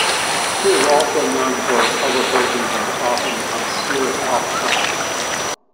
She's also known for her cover versions of often obscure pop songs.